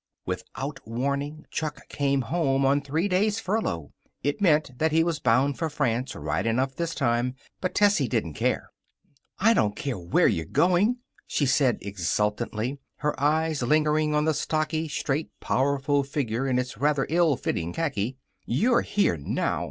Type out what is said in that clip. Without warning, Chuck came home on three days' furlough. It meant that he was bound for France right enough this time. But Tessie didn't care. "I don't care where you're goin'," she said exultantly, her eyes lingering on the stocky, straight, powerful figure in its rather ill fitting khaki. "You're here now.